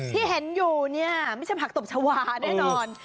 ที่เห็นอยู่เนี่ยไม่ใช่ผักตบชาวาแน่นอน